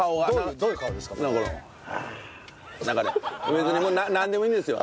別になんでもいいんですよ。